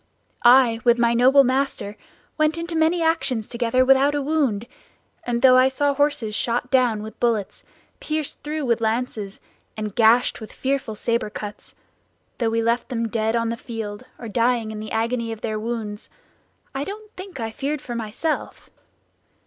"I, with my noble master, went into many actions together without a wound; and though I saw horses shot down with bullets, pierced through with lances, and gashed with fearful saber cuts; though we left them dead on the field, or dying in the agony of their wounds, I don't think I feared for myself.